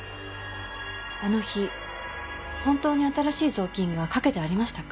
あの日本当に新しい雑巾が掛けてありましたか？